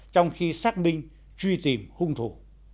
trong khi sát binh truy tìm hung thủ